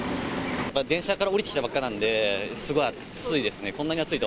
電車から降りてきたばっかなんで、すごい暑いですね。